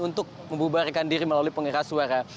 untuk membuarkan diri melalui pengira suara